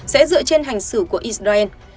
sẽ dựa trên hành xử của israel